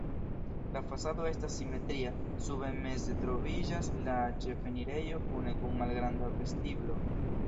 La fasado estas simetria, sube meze troviĝas la ĉefenirejo kune kun malgranda vestiblo.